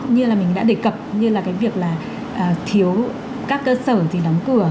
như là mình đã đề cập như là cái việc là thiếu các cơ sở thì đóng cửa